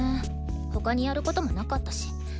他にやることもなかったし。